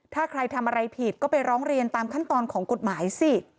ถ้าใครทำอะไรผิดก็ไปร้องเรียนตามขั้นตอนของกฎหมายสิ